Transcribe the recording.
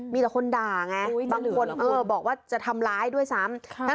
มีแต่คนด่าไงบางคนบอกว่าจะทำร้ายด้วยซ้ำ